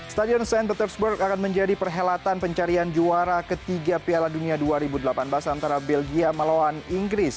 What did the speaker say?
stadion st petersburg akan menjadi perhelatan pencarian juara ketiga piala dunia dua ribu delapan belas antara belgia melawan inggris